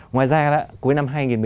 ngoài ra cuối năm hai nghìn một mươi tám